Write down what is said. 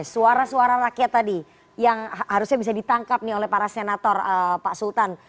suara suara rakyat tadi yang harusnya bisa ditangkap nih oleh para senator pak sultan